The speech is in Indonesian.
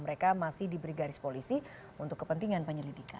mereka masih diberi garis polisi untuk kepentingan penyelidikan